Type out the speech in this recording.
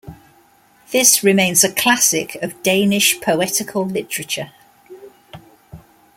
This remains a classic of Danish poetical literature.